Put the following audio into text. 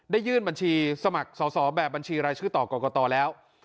ยื่นบัญชีสมัครสอบแบบบัญชีรายชื่อต่อกรกตแล้ว